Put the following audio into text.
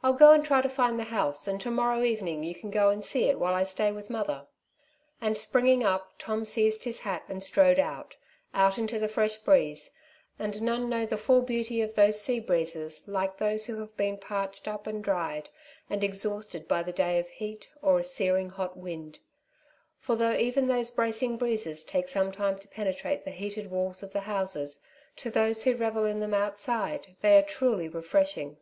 I'll go and try to find the house, and to morrow evening you can go and see it while I stay with mother." And springing up, Tom seized his hat and strode out — out into the fresh breeze; and none know the full beauty of those sea breezes like those who have been parched up, and dried and exhausted by a day of heat, or a searing hot wind ; for though even those bracing breezes take some time to pene trate the heated walls of the houses, to those who revel in them outside they are truly refreshing.